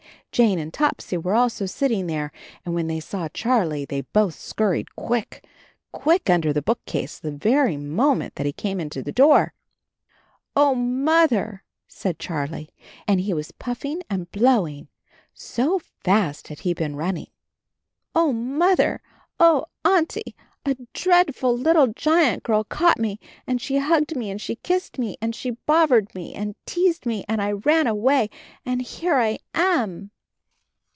Jane and Topsy were also sitting there and when they saw Charlie they both scurried quick, quick, under the bookcase the very moment that he came into the door. "Oh, Mother!" said Charlie, and he was puflSng and blowing, so fast had he been running. "Oh, Mother! Oh, Auntie! A dreadful little giant girl caught me, and she hugged me and she kissed me and she bov vered me and teased me, and I ran away — and here I am."